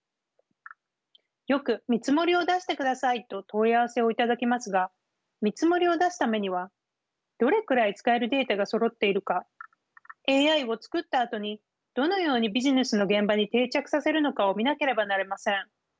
よく「見積もりを出してください」と問い合わせを頂きますが見積もりを出すためにはどれくらい使えるデータがそろっているかＡＩを作ったあとにどのようにビジネスの現場に定着させるのかを見なければなりません。